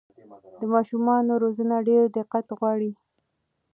د ماشومانو روزنه ډېر دقت غواړي.